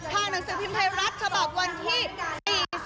ทางหนังสือพิมพ์ไทยรัฐฉบับวันที่๔สิงหาคม๒๕๕๙